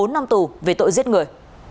một mươi bốn năm tù về tội giết người